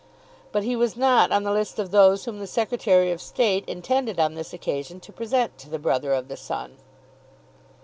But he was not on the list of those whom the Secretary of State intended on this occasion to present to the Brother of the Sun.